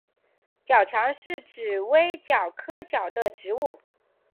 角蒿是紫葳科角蒿属的植物。